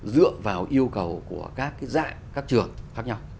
dựa vào yêu cầu của các cái dạy các trường khác nhau